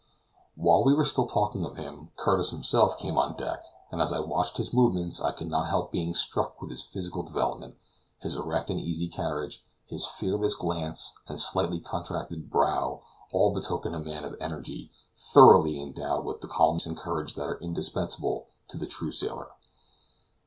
While we were still talking of him, Curtis himself came on deck, and as I watched his movements I could not help being struck with his physical development; his erect and easy carriage, his fearless glance and slightly contracted brow all betoken a man of energy, thoroughly endowed with the calmness and courage that are indispensable to the true sailor.